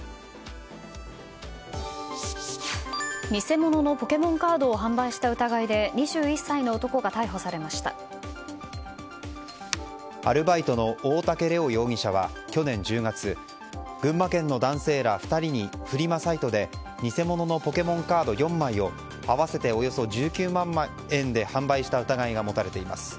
偽物のポケモンカードを販売した疑いでアルバイトの大竹玲央容疑者は去年１０月群馬県の男性ら２人にフリマサイトで偽物のポケモンカード４枚を合わせておよそ１９万円で販売した疑いが持たれています。